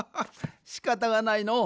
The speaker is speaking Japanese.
しかたがないのう。